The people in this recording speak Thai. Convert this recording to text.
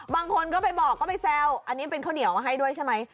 บางคนก็ไปบอกก็ไปแซวอันนี้เป็นข้าวเหนียวมาให้ด้วยใช่ไหม